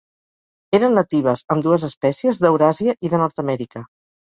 Eren natives, ambdues espècies, d'Euràsia i de Nord-amèrica.